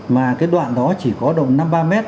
mà cái đoạn đó chỉ có đồng năm ba m